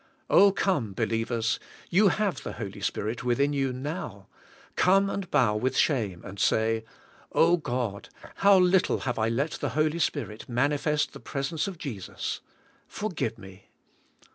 Oh come, believers, you have the Holy Spirit within you now, come and 122 THE SPIRlTUAt LlVt. bow with shame and say, "Oh God, how Httlehav^ I let the Holy Spirit manifest the presence of Jesus, forg ive me.